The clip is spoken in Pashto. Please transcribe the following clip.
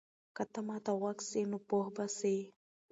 که ته ما ته غوږ سې نو پوه به سې.